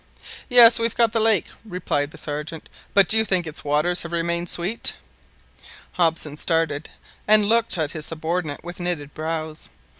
"Yes, we've got the lake," replied the Sergeant; "but do you think its waters have remained sweet?" Hobson started and looked at his subordinate with knitted brows.